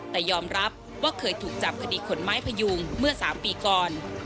แต่ยอมรับว่าเคยถูกจับคดีขนไม้พยุงเมื่อ๓ปีก่อน